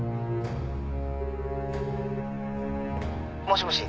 もしもし。